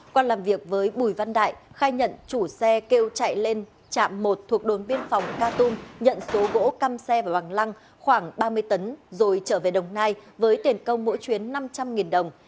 quan làm việc với bùi văn đại khai nhận chủ xe kêu chạy lên trạm một thuộc đồn biên phòng ktum nhận số gỗ căm xe vào bằng lăng khoảng ba mươi tấn rồi trở về đồng nai với tiền công mỗi chuyến năm trăm linh đồng